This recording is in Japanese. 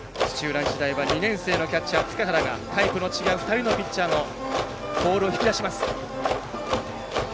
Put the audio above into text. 日大は２年生のキャッチャー・塚原がタイプの違う２人のピッチャーのボールを引き出します。